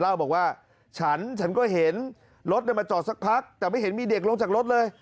เล่าบอกว่าฉันฉันก็เห็นรถมาจอดสักพักแต่ไม่เห็นมีเด็กลงจากรถเลย